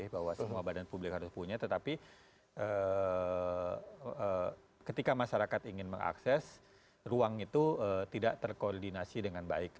bahwa semua badan publik harus punya tetapi ketika masyarakat ingin mengakses ruang itu tidak terkoordinasi dengan baik